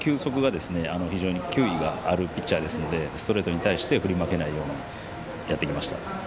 非常に球威があるピッチャーですのでストレートに対して振り負けないようにやってきました。